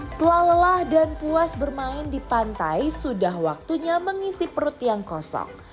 setelah lelah dan puas bermain di pantai sudah waktunya mengisi perut yang kosong